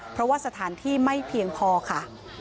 เพราะว่าสถานที่ไม่เพียงพอค่ะ